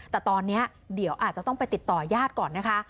แต่ตอนนี้เดี๋ยวอาจจะต้องไปติดต่อยาดก่อนนะคะ